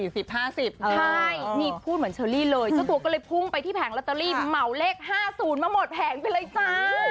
ใช่นี่พูดเหมือนเชอรี่เลยเจ้าตัวก็เลยพุ่งไปที่แผงลอตเตอรี่เหมาเลข๕๐มาหมดแผงไปเลยจ้า